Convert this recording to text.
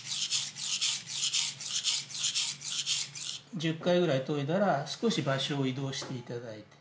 １０回ぐらい研いだら少し場所を移動して頂いて。